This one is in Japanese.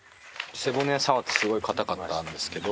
背骨触ってすごい硬かったんですけど